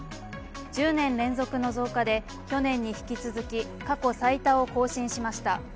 １０年連続の増加で去年に引き続き過去最多を更新しました。